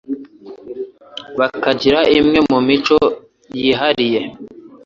bakagira imwe mu mico yihariye